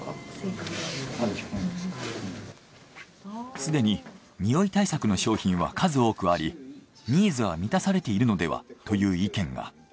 すでににおい対策の商品は数多くありニーズは満たされているのではという意見が。